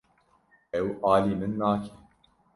Ew alî min nake.